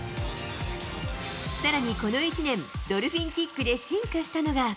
さらにこの１年、ドルフィンキックで進化したのが。